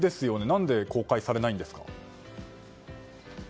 何で公開されないんですか？